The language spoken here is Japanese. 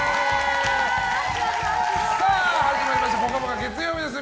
さあ、始まりました「ぽかぽか」月曜日です。